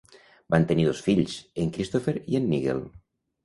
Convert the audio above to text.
Van tenir dos fills, en Christopher i en Nigel.